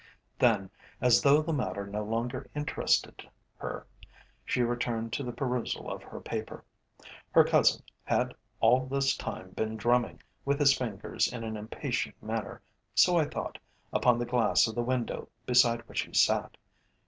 Then, as though the matter no longer interested her, she returned to the perusal of her paper. Her cousin had all this time been drumming with his fingers in an impatient manner, so I thought, upon the glass of the window beside which he sat.